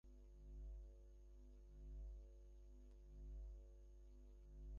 যদিও আফগানিস্তানের বিপক্ষে সর্বশেষ ম্যাচটি জিততে রীতিমতো ঘাম ছুটে গেছে পাকিস্তানিদের।